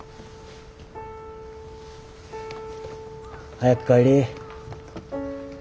早く帰り。